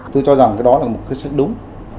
tôi cho rằng cái đó là một quyết sách đúng